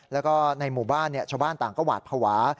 แล้วก็ในหมู่บ้านชาวบ้านต่างก็หวาดภาวะ